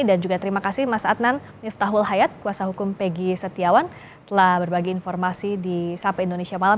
dan juga terima kasih mas adnan miftahul hayat kuasa hukum pg setiawan telah berbagi informasi di sampai indonesia malam